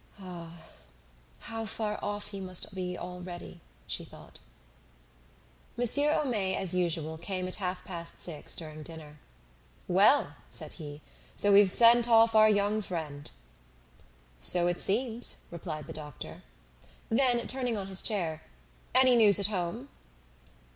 "Ah! how far off he must be already!" she thought. Monsieur Homais, as usual, came at half past six during dinner. "Well," said he, "so we've sent off our young friend!" "So it seems," replied the doctor. Then turning on his chair; "Any news at home?"